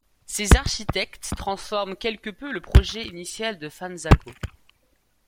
Ces architectes transforment quelque peu le projet initial de Fanzago.